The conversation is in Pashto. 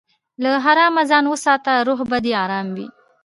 له حرامه ځان وساته، روح به دې ارام وي.